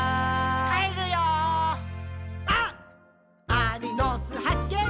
アリの巣はっけん